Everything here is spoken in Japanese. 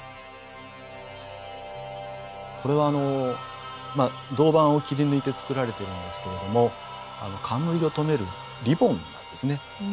これは銅板を切り抜いて作られているんですけれども冠を留めるリボンなんですね。